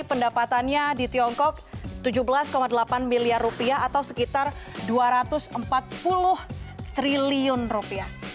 pendapatannya di tiongkok tujuh belas delapan miliar rupiah atau sekitar dua ratus empat puluh triliun rupiah